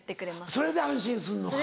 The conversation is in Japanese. それで安心すんのか。